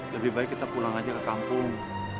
lebih baik kita pulang aja ke kampung